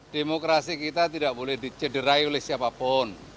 demokrasi kita tidak boleh dicederai oleh siapapun